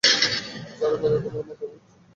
চারুলতা, তোমার মতামত?